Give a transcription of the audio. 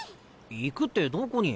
行くってどこに？